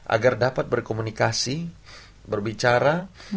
agar dapat berkomunikasi berbicara